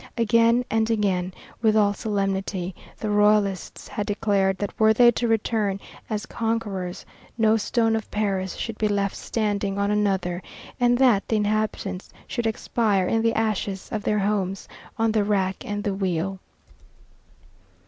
Again and again, with all solemnity, the Royalists had declared that were they to return as conquerors no stone of Paris should be left standing on another, and that the inhabitants should expire in the ashes of their homes on the rack and the wheel.